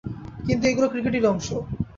কিন্তু এগুলো ক্রিকেটেরই অংশ।